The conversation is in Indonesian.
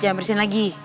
jangan bersin lagi